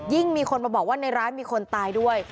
มีคนมาบอกว่าในร้านมีคนตายด้วย